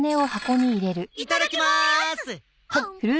いただきまーす。